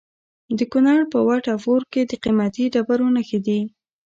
د کونړ په وټه پور کې د قیمتي ډبرو نښې دي.